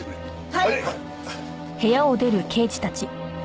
はい。